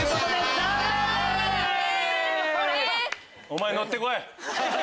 お前乗って来い！